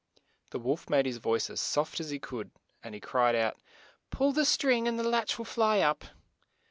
The wolf made his voice as soft as he could as he cried out, "Pull the string and the latch will fly up."